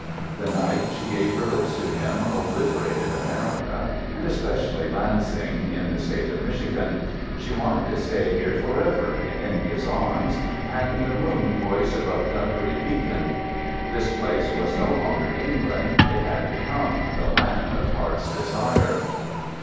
The night she gave her lips to him obliterated America, and especially Lansing, in the State of Michigan. She wanted to stay here for ever, in his arms, and the moon poised above Dunkery Beacon. This place was no longer England; it had become the Land of Heart's Desire.